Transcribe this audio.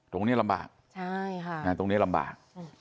ตรงนี้ลำบาก